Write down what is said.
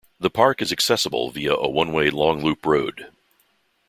The park is accessible via a one-way long loop road.